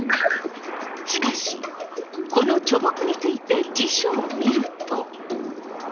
しかしこの樗木について辞書を見ると。